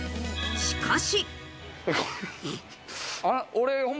しかし。